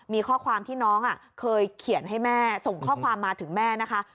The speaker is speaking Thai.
มีข้อความที่น้องเคยเขียนให้แม่ส่งข้อความมาถึงแม่นะคะ